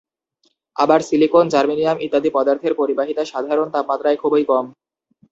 আবার silicon, germanium ইত্যাদি পদার্থের পরিবাহিতা সাধারণ তাপমাত্রায় খুবই কম।